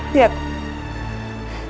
tidak apa apa bukan